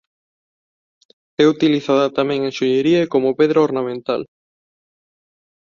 É utilizada tamén en xoiería e como pedra ornamental.